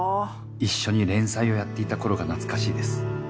「一緒に連載をやっていた頃がなつかしいです。